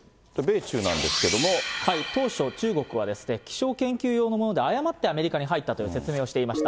当初、中国は、気象研究用のもので、誤ってアメリカに入ったという説明をしていました。